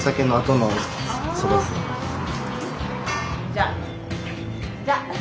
じゃあ！じゃあ！